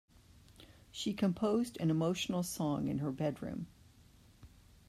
She composed an emotional song in her bedroom.